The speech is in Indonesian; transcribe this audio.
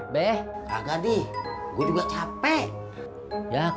bagi pengen mie ayam